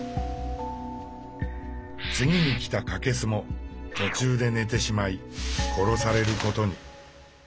次に来たカケスも途中で寝てしまい殺されることに。